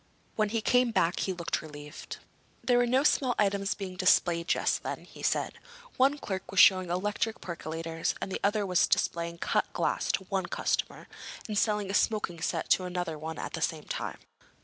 When he came back he looked relieved. "There were no small items being displayed just then," he said. "One clerk was showing electric percolators, and the other was displaying cut glass to one customer and selling a smoking set to another one at the same time."